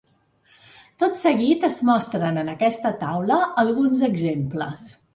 Tot seguit es mostren en aquesta taula alguns exemples.